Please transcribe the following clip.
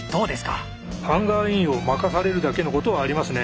ハンガーインを任されるだけのことはありますね。